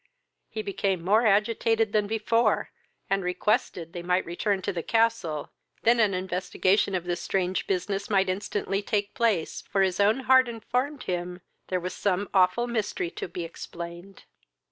He became more agitated than before, and requested they might return to the castle, than an investigation of this strange business might instantly take place, for his own heart informed him there was some awful mystery to be explained.